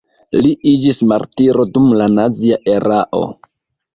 Li iĝis martiro dum la nazia erao.